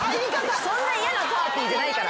そんな嫌なパーティーじゃないから。